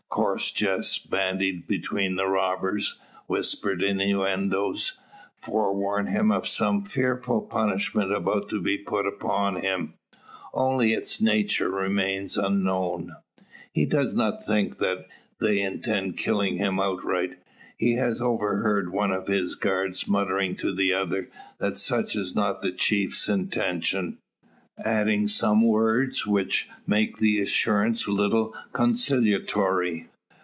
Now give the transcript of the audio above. Coarse jests bandied between the robbers, whispered innuendoes, forewarn him of some fearful punishment about to be put upon him. Only its nature remains unknown. He does not think they intend killing him outright. He has overheard one of his guards muttering to the other, that such is not the chiefs intention, adding some words which make the assurance little consolatory.